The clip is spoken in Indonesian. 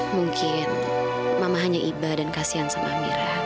mungkin mama hanya iba dan kasihan sama amira